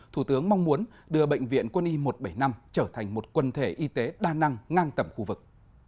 thủ tướng mong muốn đưa bệnh viện quân y một trăm bảy mươi năm trở thành một quần thể y tế đa năng ngang tầm khu vực